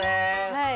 はい。